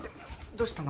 どうしたの？